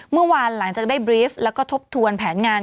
เมื่อวานหลังจากได้บรีฟและก็ทบทวนแผนงาน